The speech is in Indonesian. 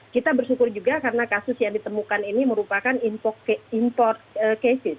kita bersyukur juga karena kasus yang ditemukan ini merupakan import cases